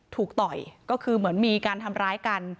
ต่อยก็คือเหมือนมีการทำร้ายกัน